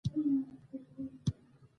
د مثانې د تیږې لپاره د تورې ږیرې چای وڅښئ